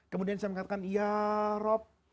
saya bisa mengatakan ya rab